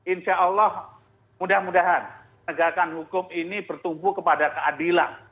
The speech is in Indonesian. insya allah mudah mudahan tegakan hukum ini bertumbuh kepada keadilan